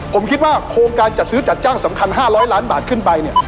ผมคิดว่าโครงการจัดซื้อจัดจ้างสำคัญ๕๐๐ล้านบาทขึ้นไปเนี่ย